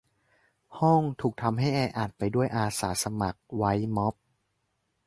ห้องถูกทำให้แออัดไปด้วยอาสาสมัคร ไวด์ม๊อบ